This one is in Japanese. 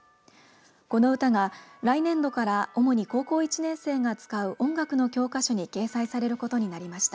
この歌が来年度から主に高校１年生が使う音楽の教科書に掲載されることになりました。